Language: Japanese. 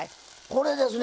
これですね。